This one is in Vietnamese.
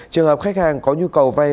trường hợp khách hàng có nhu cầu vai